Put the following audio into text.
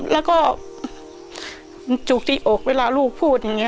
แล้วก็จุกที่อกเวลาลูกพูดอย่างนี้